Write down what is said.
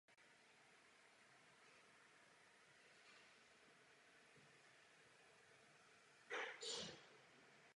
Je také brazilským reprezentantem.